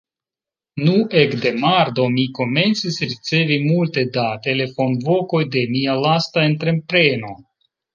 Nu, ekde Mardo, mi komencis ricevi multe da telefonvokoj de mia lasta entrepreno.